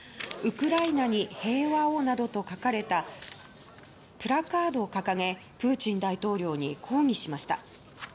「ウクライナに平和を」などと書かれたプラカードを掲げプーチン大統領に抗議しました。